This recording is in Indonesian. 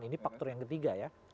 ini faktor yang ketiga ya